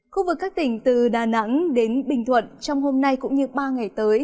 khu vực các tỉnh từ đà nẵng đến bình thuận trong hôm nay cũng như ba ngày tới